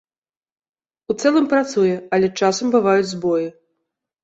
У цэлым працуе, але часам бываюць збоі.